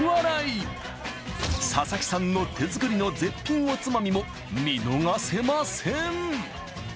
佐々木さんの手作りの絶品おつまみも見逃せません。